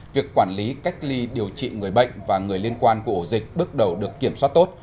việc quản lý cách ly điều trị người bệnh và người liên quan của ổ dịch bước đầu được kiểm soát tốt